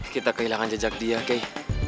kita kehilangan jejak dia key